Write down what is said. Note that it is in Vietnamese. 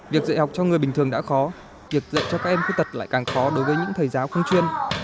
việc dạy học cho người bình thường đã khó việc dạy cho các em khuyết tật lại càng khó đối với những thầy giáo không chuyên